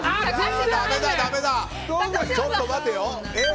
ちょっと待てよ！